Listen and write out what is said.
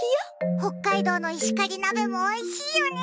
北海道の石狩鍋もおいしいよね。